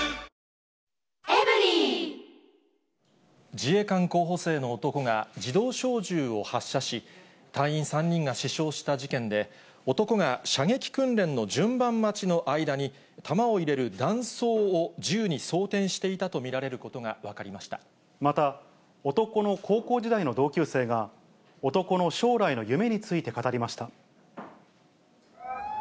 自衛官候補生の男が、自動小銃を発射し、隊員３人が死傷した事件で、男が射撃訓練の順番待ちの間に弾を入れる弾倉を銃に装填していたまた、男の高校時代の同級生が、男の将来の夢について語りました。